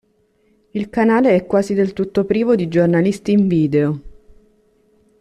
Il canale è quasi del tutto privo di giornalisti in video.